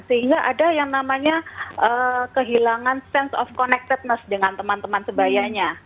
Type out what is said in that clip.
sehingga ada yang namanya kehilangan sense of connectedness dengan teman teman sebayanya